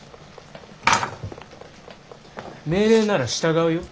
命令なら従うよ。